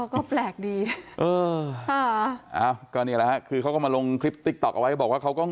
ก็แปลกดีก็นี่แล้วคือเขาก็มาลงคลิปเอาไว้บอกว่าเขาก็